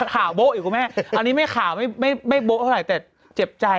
ข่าวโบ๊ะอีกคุณแม่อันนี้ไม่ข่าวไม่ไม่โบ๊ะเท่าไหร่แต่เจ็บใจ